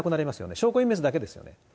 証拠隠滅だけですよね。